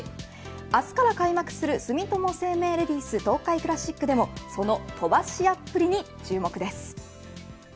明日から開幕する住友生命レディース東海クラシックでもその飛ばし屋っぷりに注目です。